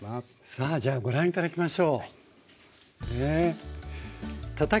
さあじゃあご覧頂きましょう。